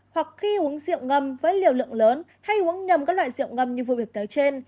hoặc khi uống rượu ngâm với liều lượng lớn hay uống nhầm các loại rượu ngâm như vừa biệt tới trên